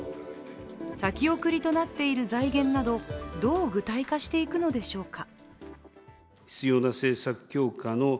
先送りとなっている財源などどう具体化していくのでしょうか。